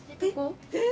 えっ？